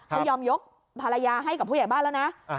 เขายอมยกภรรยาให้กับผู้ใหญ่บ้านแล้วนะ